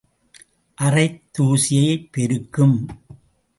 அறைத் தூசியைப் பெருக்கும்.